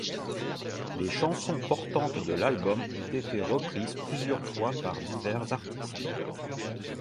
Les chansons portantes de l'album ont été reprises plusieurs fois par divers artistes.